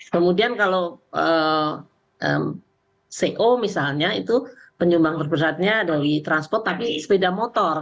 kemudian kalau co misalnya itu penyumbang terbesarnya dari transport tapi sepeda motor